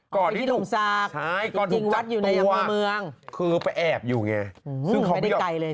ก่อนที่ถูกจับตัวคือไปแอบอยู่ไงเออที่ลมศักดิ์จริงวัดอยู่ในอำเภอเมือง